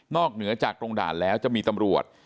เหนือจากตรงด่านแล้วจะมีตำรวจ